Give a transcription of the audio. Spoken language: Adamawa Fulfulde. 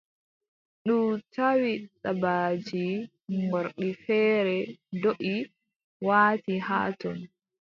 Ndu tawi dabaaji ngorɗi feere ndoʼi, waati haa ton.